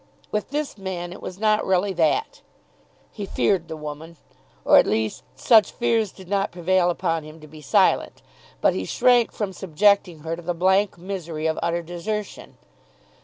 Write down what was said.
With this man it was not really that. He feared the woman; or at least such fears did not prevail upon him to be silent; but he shrank from subjecting her to the blank misery of utter desertion.